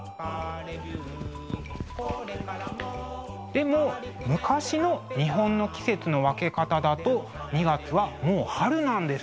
でも昔の日本の季節の分け方だと２月はもう春なんです。